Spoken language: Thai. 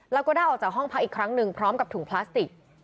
แล้วก็ได้ออกจากห้องพักอีกครั้งหนึ่งพร้อมกับถุงพลาสติก